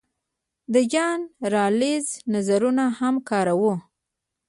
د جان رالز نظرونه هم کاروو.